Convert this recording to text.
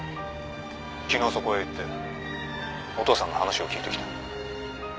昨日そこへ行ってお父さんの話を聞いてきた。